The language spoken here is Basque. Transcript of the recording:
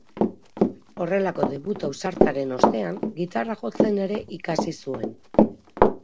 Horrelako debut ausartaren ostean, gitarra jotzen ere ikasi zuen.